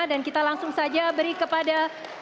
dan kita langsung saja beri kepada